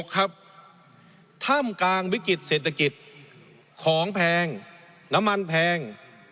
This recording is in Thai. ถ้ำกลางวิกฤตเศรษฐกิจของแพงน้ำมันแพง